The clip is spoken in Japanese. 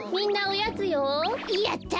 やった！